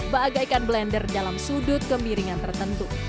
bagaikan blender dalam sudut kemiringan tertentu